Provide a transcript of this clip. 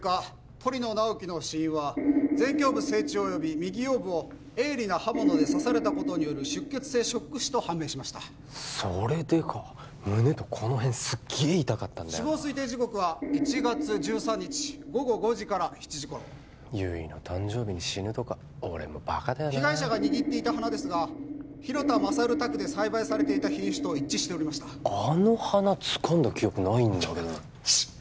鳥野直木の死因は前胸部正中および右腰部を鋭利な刃物で刺されたことによる出血性ショック死と判明しましたそれでか胸とこの辺すげえ痛かったんだよな死亡推定時刻は１月１３日午後５時から７時頃悠依の誕生日に死ぬとか俺もバカだよな被害者が握っていた花ですが広田勝宅で栽培されていた品種と一致しておりましたあの花つかんだ記憶ないんだけどちょっと！